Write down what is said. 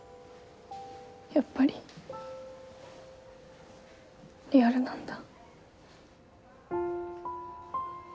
やっぱりリアルなんだ。